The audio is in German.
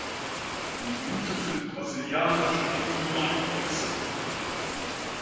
Minute für den Brasilianer Juninho eingewechselt.